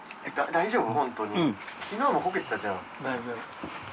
大丈夫。